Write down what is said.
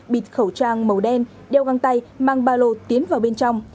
bịt khẩu trang màu đen đeo găng tay mang ba lô tiến vào bên trong